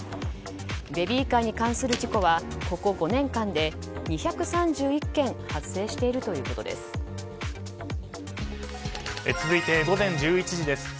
ベビーカーに関する事故はここ５年間で２３１件続いて午前１１時です。